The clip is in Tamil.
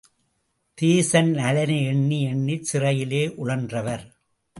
தேச நலனை எண்ணி, எண்ணிச் சிறையிலே உழன்றவர்.